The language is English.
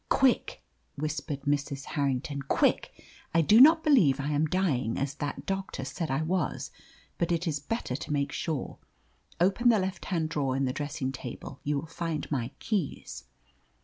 "Quick!" whispered Mrs. Harrington, "quick! I do not believe I am dying, as that doctor said I was, but it is better to make sure. Open the left hand drawer in the dressing table; you will find my keys."